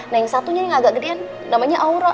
nah yang satunya yang agak gedean namanya aura